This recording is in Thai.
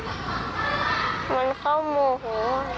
มันเข้าโมโห